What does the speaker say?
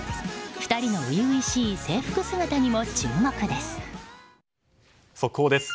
２人の初々しい制服姿にも注目です。